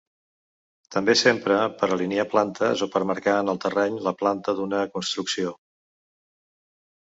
També s'empra per alinear plantes o per marcar en el terreny la planta d'una construcció.